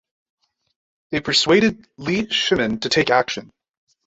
They persuaded Li Shimin to take action.